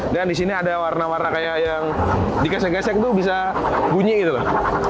dan di sini ada warna warna kayak yang dikesek kesek tuh bisa bunyi gitu loh